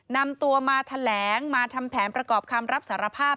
นำตัวมาแถลงมาทำแผนประกอบคำรับสารภาพ